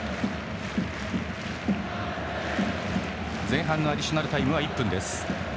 前半のアディショナルタイムは１分です。